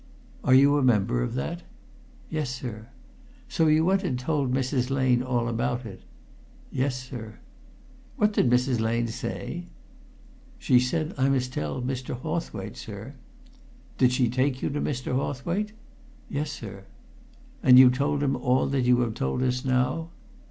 "Are you a member of that?" "Yes, sir." "So you went and told Mrs. Lane all about it?" "Yes, sir." "What did Mrs. Lane say?" "She said I must tell Mr. Hawthwaite, sir." "Did she take you to Mr. Hawthwaite?" "Yes, sir." "And you told him all that you have told us now?"